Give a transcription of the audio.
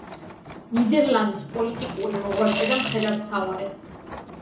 ნიდერლანდის პოლიტიკური მოღვაწე და მხედართმთავარი.